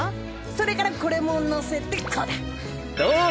それからこれものせてこうだ！